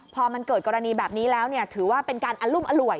พอมันเกิดกรณีแบบนี้แล้วถือว่าเป็นการอรุมอร่วย